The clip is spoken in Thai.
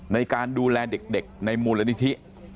ในการดูแลเด็กในมูลนิธิ